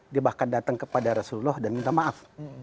dia bahkan datang kepada rasulullah dan minta maaf